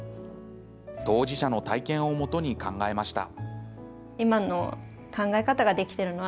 当事者の体験をもとに考えました。